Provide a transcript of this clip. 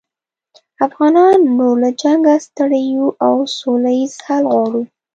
افغانان نور له جنګه ستړي یوو او سوله ییز حل غواړو